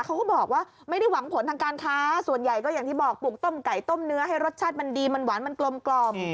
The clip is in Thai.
เขาก็บอกว่าไม่ได้หวังผลทางการค้าส่วนใหญ่ก็อย่างที่บอกปลูกต้มไก่ต้มเนื้อให้รสชาติมันดีมันหวานมันกลม